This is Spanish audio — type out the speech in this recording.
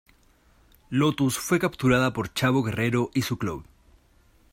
Lotus fue capturada por Chavo Guerrero y su club.